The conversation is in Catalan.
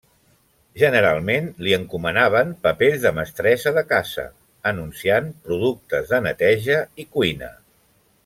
Generalment li encomanaven papers de mestressa de casa, anunciant productes de neteja i cuina.